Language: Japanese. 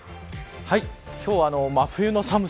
今日は真冬の寒さ。